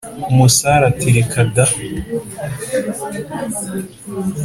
” umusare ati: “reka da!”